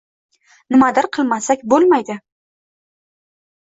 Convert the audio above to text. Nimadir qilmasak bo‘lmaydi.